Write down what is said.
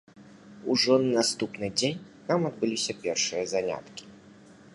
Ужо на наступны дзень там адбыліся першыя заняткі.